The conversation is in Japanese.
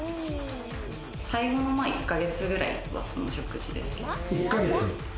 最後の１ヶ月くらいは、その食事です。